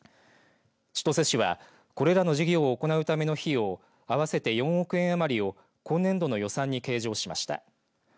千歳市は、これらの事業を行うための費用合わせて４億円余りを今年度の予算に計上しました。